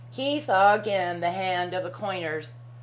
He saw again the hand of the coiners.